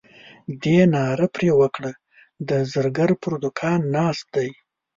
دې ناره پر وکړه د زرګر پر دوکان ناست دی.